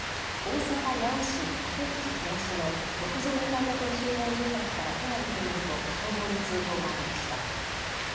大阪、八尾市竹渕東の木造２階建ての集合住宅から火が出ていると消防に通報がありました。